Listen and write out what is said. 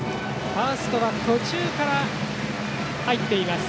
ファースト途中から入っています